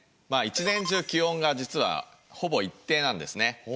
まあ一年中気温が実はほぼ一定なんですね。